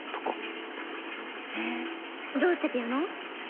へえどうしてピアノ？